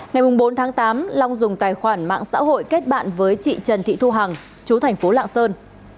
ngày bốn tháng tám long dùng tài khoản mạng xã hội kết bạn với chị trần thị thu hằng chú thành phố lạng sơn